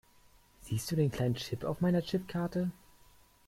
Siehst du den kleinen Chip auf meiner Chipkarte?